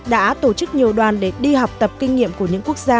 đã tổ chức nhiều đoàn để đi học tập kinh nghiệm của những quốc gia